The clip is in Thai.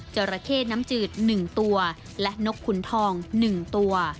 จราเข้น้ำจืด๑ตัวและนกขุนทอง๑ตัว